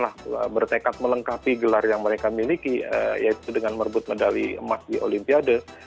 mereka bertekad melengkapi gelar yang mereka miliki yaitu dengan merebut medali emas di olimpiade